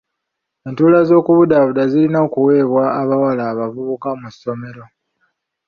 Entuula z'okubudaabuda zirina okuweebwa abawala abavubuka mu ssomero.